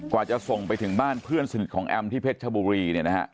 กว่าจะส่งไปถึงบ้านเพื่อนสนิทของแอมที่เพชรชบุรี